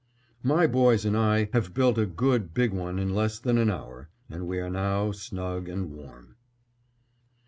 My boys and I have built a good big one in less than an hour, and we are now snug and warm.